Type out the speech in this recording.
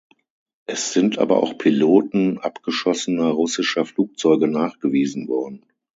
Es sind aber auch Piloten abgeschossener russischer Flugzeuge nachgewiesen worden.